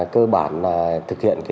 cơ bản là thực hiện